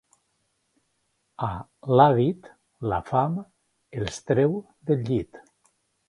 A Lavit la fam els treu del llit.